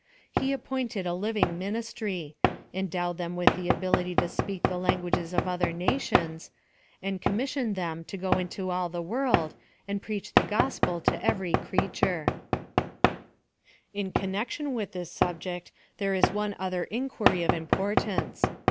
He appointed a living ministry ; endowed them with the ability to speak the languages of other nations ; and commissioned them to go into all the world, and preach the gospel to every crea ture. 15 236 PHILOSOPHY OF THE In connection with this subject there is one other inquiry of importance.